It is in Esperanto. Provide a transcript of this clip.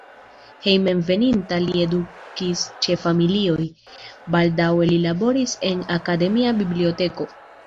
Hejmenveninta li edukis ĉe familioj, baldaŭe li laboris en akademia biblioteko.